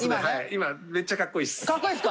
今めっちゃかっこいいっす。